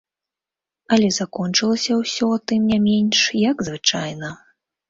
Але закончылася ўсё, тым не менш, як звычайна.